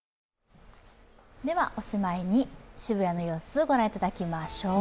おしまいに渋谷の様子をご覧いただきましょう。